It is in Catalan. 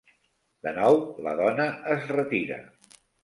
De nou la dona es retira.